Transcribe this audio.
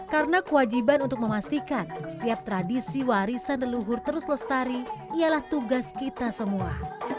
karena kewajiban untuk memastikan setiap tradisi warisan leluhur terus lestari ialah tugas kita semua